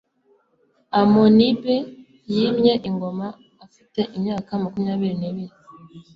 amonib yimye ingoma afite imyaka makumyabiri n'ibiri